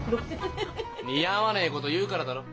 似合わねえこと言うからだろ。